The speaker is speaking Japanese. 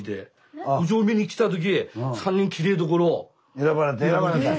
選ばれた。